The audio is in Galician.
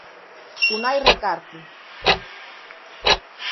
Unai Recarte.